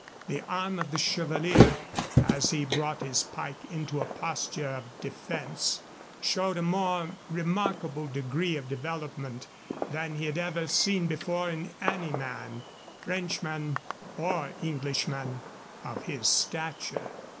The arm of the chevalier, as he brought his pike into a posture of defense, showed a more remarkable degree of development than he had ever seen before in any man Frenchman or Englishman of his stature.